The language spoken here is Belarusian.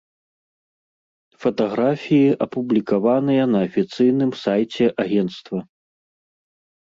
Фатаграфіі апублікаваныя на афіцыйным сайце агенцтва.